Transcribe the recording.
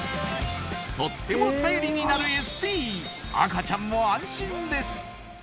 とっても頼りになるＳＰ赤ちゃんも安心です